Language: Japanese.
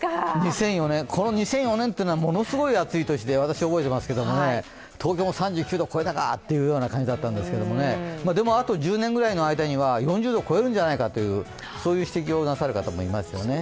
この２００４年はものすごい暑い年で私、覚えていますけど、東京も３９度を超えたかという感じだったんですけど、でも、あと１０年ぐらいの間には４０度を超えるんじゃないかという指摘をなさる方もいますね。